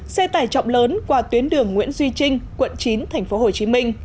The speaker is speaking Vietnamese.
xe tải trọng lớn qua tuyến đường nguyễn duy trinh quận chín tp hcm